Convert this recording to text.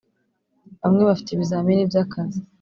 bamwe bafite ibizamini bya kazi